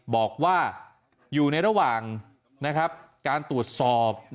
บอกว่าอยู่ในระหว่างการตรวจสอบ